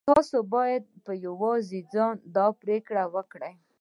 تاسې بايد په يوازې ځان دا پرېکړه وکړئ.